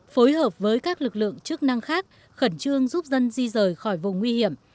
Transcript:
phối hợp với các lực lượng chức năng khác khẩn trương giúp dân di rời khỏi vùng nguy hiểm